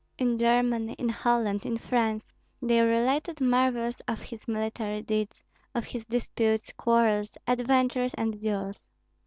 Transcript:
In Germany, in Holland, in France, they related marvels of his military deeds, of his disputes, quarrels, adventures, and duels.